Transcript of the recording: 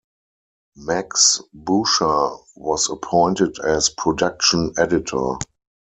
Max Boucher was appointed as Production Editor.